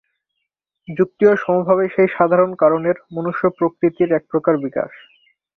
যুক্তিও সমভাবে সেই সাধারণ কারণের, মনুষ্য-প্রকৃতির একপ্রকার বিকাশ।